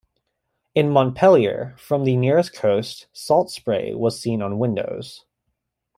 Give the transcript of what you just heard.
In Montpelier, from the nearest coast, salt spray was seen on windows.